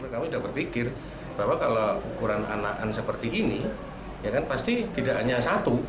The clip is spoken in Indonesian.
kami sudah berpikir bahwa kalau ukuran anak kobra seperti ini pasti tidak hanya satu